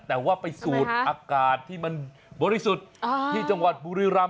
แต่ว่าไปสูดอากาศที่มันบริสุทธิ์ที่จังหวัดบุรีรำ